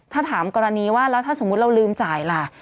ถ้าถามกรณีว่าแล้วถ้าสมมุติเราลืมจ่ายล่ะ